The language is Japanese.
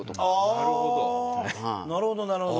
なるほどなるほど。